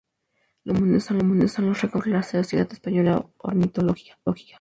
Los nombres comunes son los recomendados por la por la Sociedad Española de Ornitología.